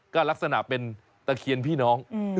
ก็ลักษณะเป็นตะเคียนพี่น้อง